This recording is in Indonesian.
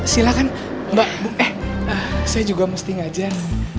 silahkan mbak eh saya juga mesti ngajar